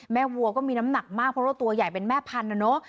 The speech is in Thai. วัวก็มีน้ำหนักมากเพราะว่าตัวใหญ่เป็นแม่พันธุนะเนอะ